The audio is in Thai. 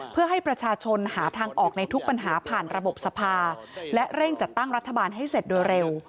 เพื่อให้ประชาชนหาทางออกในทุกปัญหาผ่านระบบสภาและเร่งจัดตั้งรัฐบาลให้เสร็จโดยเร็ว